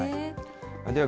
では